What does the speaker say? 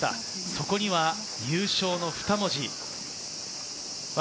そこには「優勝！！」のふた文字。